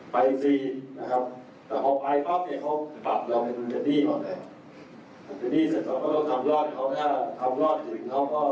พวกมันจะส่วนหลายกันดีเพราะว่าพวกมันจะโปสต์บอกว่า